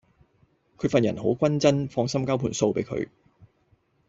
佢份人好均真，放心交盤數比佢